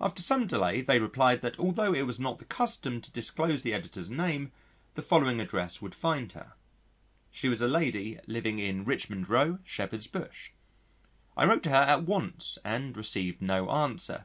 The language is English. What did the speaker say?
After some delay they replied that although it was not the custom to disclose the editor's name, the following address would find her. She was a lady living in Richmond Row, Shepherd's Bush. I wrote to her at once and received no answer.